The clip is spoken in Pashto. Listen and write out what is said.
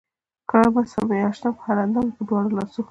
کړه مسحه مې اشنا پۀ هر اندام پۀ دواړه لاسه